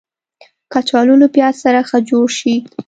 کچالو له پیاز سره ښه جوړ شي